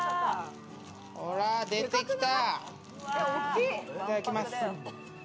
ほら、出てきた。